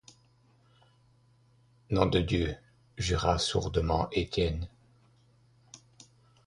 Nom de Dieu! jura sourdement Étienne.